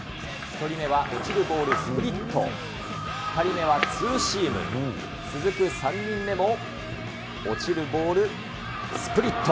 １人目は落ちるボール、スプリット、２人目はツーシーム、続く３人目も落ちるボール、スプリット。